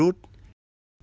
cách phòng chống virus